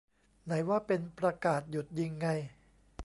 ไหนว่าเป็น "ประกาศหยุดยิง" ไง